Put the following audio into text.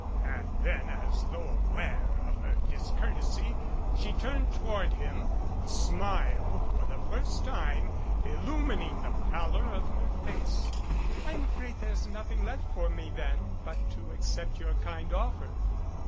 And then, as though aware of her discourtesy, she turned toward him, a smile for the first time illumining the pallor of her face. "I'm afraid there's nothing left for me then but to accept your kind offer."